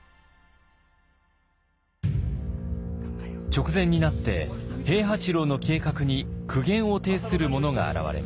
直前になって平八郎の計画に苦言を呈する者が現れます。